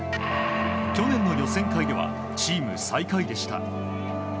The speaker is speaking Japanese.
去年の予選会ではチーム最下位でした。